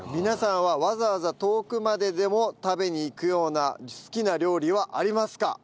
皆さんはわざわざ遠くまででも食べに行くような好きな料理はありますか？